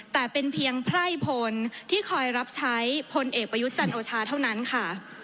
แต่เป็นเพียงไพร่พลที่คอยรับใช้พลเอกประยุทธ์จันโอชาเท่านั้นค่ะ